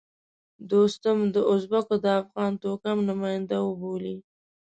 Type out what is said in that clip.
دوستم د ازبکو د افغان توکم نماینده وبولي.